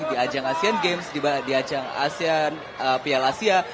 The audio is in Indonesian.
di ajang asian games di ajang asian piala asia